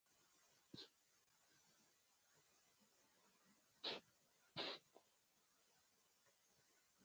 Ndo bay ti nãy bɔ wa, a cog de cugi.